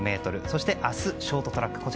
そして明日ショートトラック